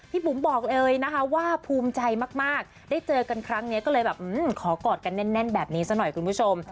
บุ๋มบอกเลยนะคะว่าภูมิใจมากได้เจอกันครั้งนี้ก็เลยแบบขอกอดกันแน่นแบบนี้ซะหน่อยคุณผู้ชม